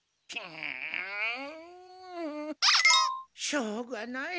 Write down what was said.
しょうがない。